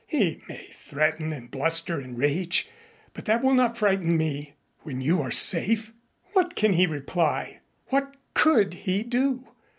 He may threaten and bluster and rage, but that will not frighten me when you are safe. What can he reply? What could he do?